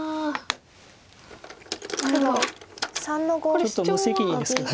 ちょっと無責任ですけど。